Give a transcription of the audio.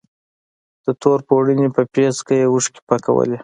د تور پوړني په پيڅکه يې اوښکې پاکولې.